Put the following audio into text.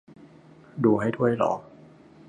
ดูได้ด้วยเหรอ